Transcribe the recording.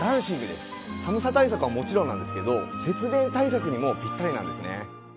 寒さ対策はもちろんなんですけど節電対策にもピッタリなんですね。